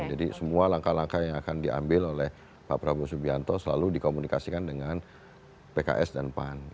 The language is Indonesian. jadi semua langkah langkah yang akan diambil oleh pak prabowo subianto selalu dikomunikasikan dengan pks dan pan